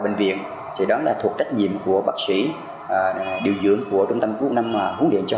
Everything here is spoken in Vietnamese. bệnh viện thì đó là thuộc trách nhiệm của bác sĩ điều dưỡng của trung tâm quốc năm mà huấn luyện cho